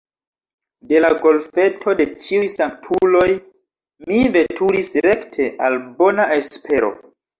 De la Golfeto de Ĉiuj Sanktuloj mi veturis rekte al Bona Espero.